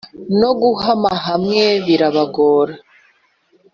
No guhama hamwe birabagora